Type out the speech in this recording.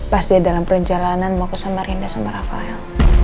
pas dia dalam perjalanan mau ke samarinda sama rafael